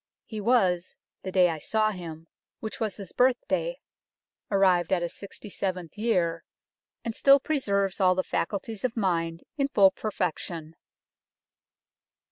He was, the day I saw him, which was his birthday, arrived at his sixty seventh 96 UNKNOWN LONDON year, and still preserves all the faculties of mind in full perfection."